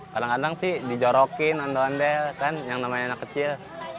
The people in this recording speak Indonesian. kadang kadang sih dijorokin ondel ondel kan yang namanya anak kecil